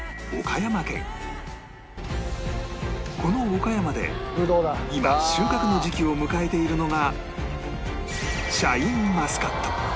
この岡山で今収穫の時期を迎えているのが